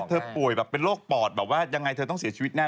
ป่วยแบบเป็นโรคปอดแบบว่ายังไงเธอต้องเสียชีวิตแน่